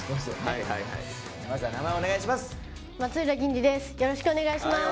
はいお願いします。